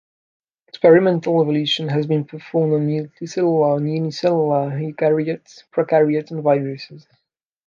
Experimental evolution has been performed on multicellular and unicellular eukaryotes, prokaryotes, and viruses.